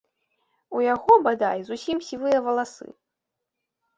У яго, бадай, зусім сівыя валасы.